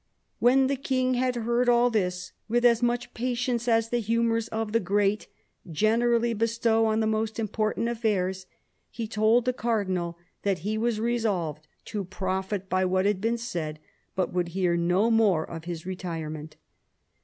" When the King had heard all this with as much patience as the humours of the great generally bestow on the most important affairs, he told the Cardinal that he was resolved to profit by what had been said, but would hear no more of his retirement."